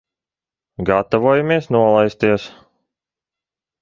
Gatavojamies nolaisties.